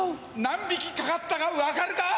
何匹かかったか分かるか？